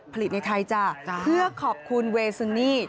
ผลิตในไทยจ้ะเพื่อขอบคุณเวซูนี่